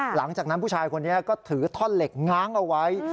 หลังจากนั้นผู้ชายคนนี้ก็ถือท่อนเหล็กง้างเอาไว้